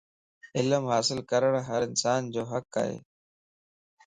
علم حاصل ڪرڻ ھر انسان جو حق ائي